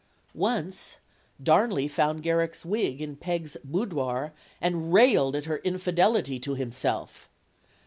Once Darnley found Garrick's wig in Peg's boudoir and railed at her infidelity to himself.